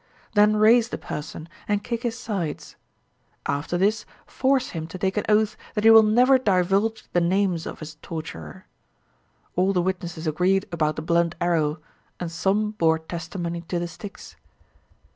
Then raise the person, and kick his sides. After this, force him to take an oath that he will never divulge the names of his torturer. All the witnesses agreed about the blunt arrow, and some bore testimony to the sticks.